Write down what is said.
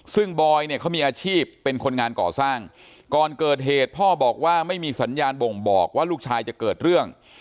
ซึ่งบอยเนี่ยเขามีอาชีพเป็นคนงานก่อสร้างก่อนเกิดเหตุพ่อบอกว่าไม่มีสัญญาณบ่งบอกว่าลูกชายจะเกิดเรื่อง